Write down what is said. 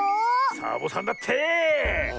サボさんだって！